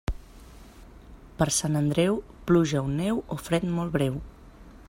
Per Sant Andreu, pluja o neu o fred molt breu.